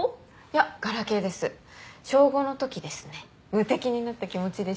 無敵になった気持ちでした。